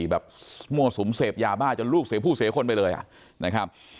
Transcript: แบบมั่วสุมเสพยาบ้าจนลูกเสียผู้เสียคนไปเลยนะครับ